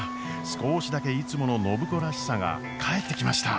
少しだけいつもの暢子らしさが帰ってきました！